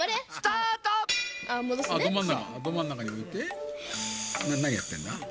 なにやってんだ？